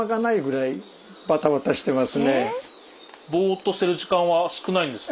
ぼっとしてる時間は少ないんですか？